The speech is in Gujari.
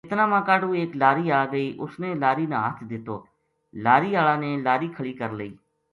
اتنا ما کاہڈُو ایک لاری آ گئی اس نے لاری نا ہتھ دِتو لاری ہالا نے لاری کھلی کر لئی